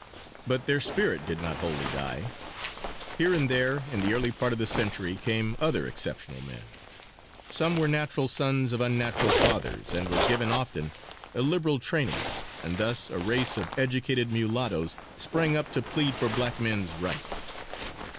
But their spirit did not wholly die; here and there in the early part of the century came other exceptional men. Some were natural sons of unnatural fathers and were given often a liberal training and thus a race of educated mulattoes sprang up to plead for black men's rights.